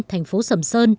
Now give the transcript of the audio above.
thành phố sầm sơn